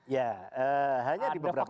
ya hanya di beberapa